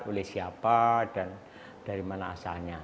oleh siapa dan dari mana asalnya